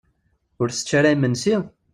Ur tečči ara imensi?